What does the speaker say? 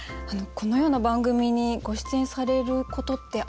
このような番組にご出演されることってあるんですか？